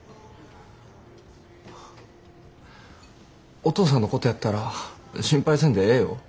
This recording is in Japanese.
お父さんのことやったら心配せんでええよ。